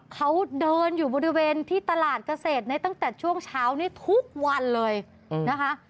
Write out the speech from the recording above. เขาเดินอยู่บริเวณที่ตลาดเกษตรในตั้งแต่ช่วงเช้านี้ทุกวันเลยนะคะ